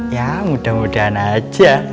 ya mudah mudahan aja